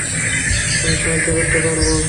আমি সাহায্য করতে পারবো।